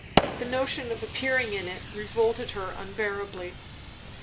The notion of appearing in it revolted her unbearably.